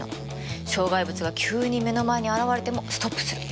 障害物が急に目の前に現れてもストップするの。